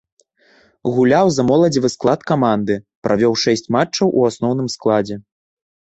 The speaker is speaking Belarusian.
Гуляў за моладзевы склад каманды, правёў шэсць матчаў у асноўным складзе.